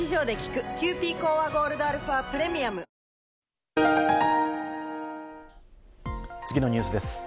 続く次のニュースです。